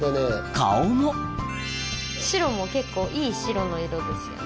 顔も白も結構いい白の色ですよね。